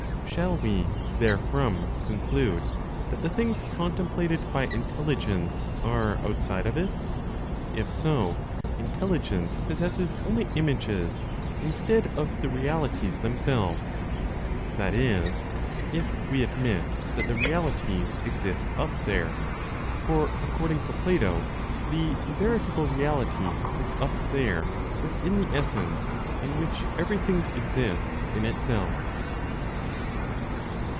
Shall we therefrom conclude that the things contemplated by intelligence are outside of it? If so, intelligence possesses only images, instead of the realities themselves that is, if we admit that the realities exist up there; for, according to Plato, the veritable reality is up there within the essence, in which everything exists in itself.